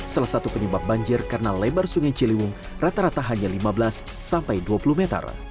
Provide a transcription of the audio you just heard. salah satu penyebab banjir karena lebar sungai ciliwung rata rata hanya lima belas sampai dua puluh meter